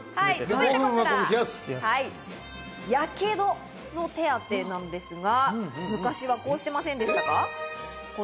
続いてはやけどの手当てなんですが、昔はこうしてませんでしたか？